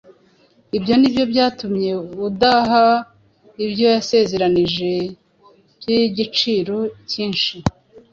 Ibyo ni byo byatumye aduha ibyo yasezeranije by’igiciro cyinshi,